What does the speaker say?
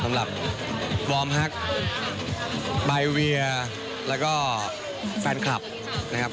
สำหรับวอร์มฮักบายเวียแล้วก็แฟนคลับนะครับ